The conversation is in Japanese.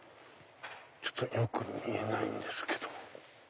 よく見えないんですけど。